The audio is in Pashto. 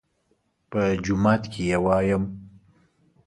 _په جومات کې يې وايم.